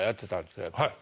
はい。